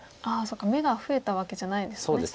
眼が増えたわけじゃないですもんね。